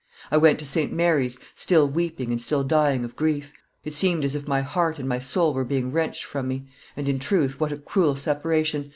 I went to St. Mary's, still weeping and still dying of grief; it seemed as if my heart and my soul were being wrenched from me; and, in truth, what a cruel separation!